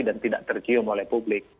dan tidak tercium oleh publik